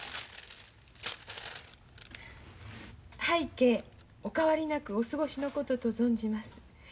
「拝啓お変わりなくお過ごしの事と存じます。